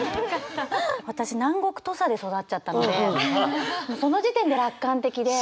私南国土佐で育っちゃったのでその時点で楽観的で。